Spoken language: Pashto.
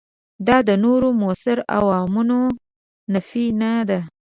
دا د نورو موثرو عواملونو نفي نه ده.